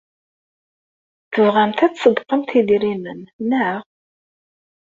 Tebɣamt ad tṣeddqemt idrimen, naɣ?